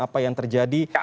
apa yang terjadi